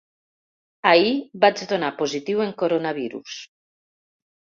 Ahir vaig donar positiu en coronavirus.